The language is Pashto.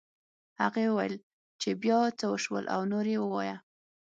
هغې وویل چې بيا څه وشول او نور یې ووایه